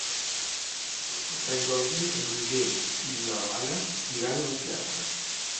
Per Sant Jordi en Roger i na Lara iran al teatre.